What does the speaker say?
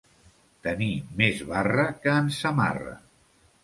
Tenir més barra que en Samarra.